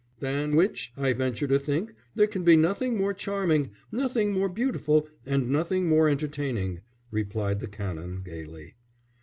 "Than which, I venture to think, there can be nothing more charming, nothing more beautiful, and nothing more entertaining," replied the Canon, gaily.